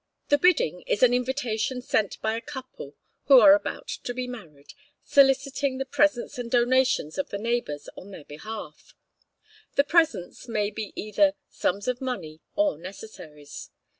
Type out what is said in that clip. The Bidding is an invitation sent by a couple who are about to be married, soliciting the presence and donations of the neighbours on their behalf. The presents may be either sums of money or necessaries.